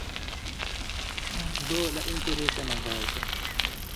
Do, la interesa novaĵo.